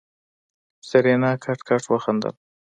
سېرېنا کټ کټ وخندل.